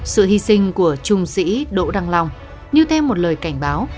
sự hy sinh của trung sĩ đỗ đăng long như thêm một lời cảnh báo